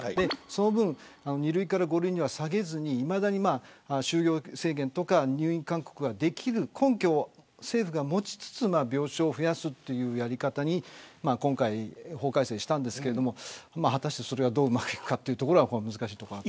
その分、２類から５類に下げずにいまだに収容制限とか入院勧告ができる根拠を政府が持ちつつ病床を増やすというやり方に今回は法改正しましたがそれがどう、うまくいくのかというのは難しいところ。